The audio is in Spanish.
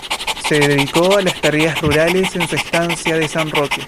Se dedicó a las tareas rurales en su estancia de San Roque.